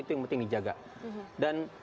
itu yang penting dijaga dan